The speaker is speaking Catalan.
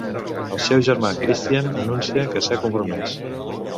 El seu germà Christian anuncia que s'ha compromès.